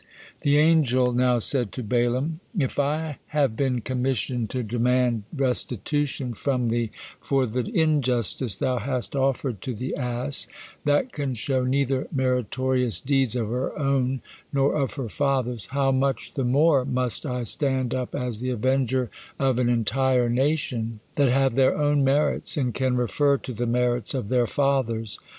The angel now said to Balaam: "If I have been commissioned to demand restitution from thee for the injustice thou hast offered to the ass, that can show neither meritorious deeds of her own nor of her fathers, how much the more must I stand up as the avenger of an entire nation, that have their own merits and can refer to the merits of their fathers.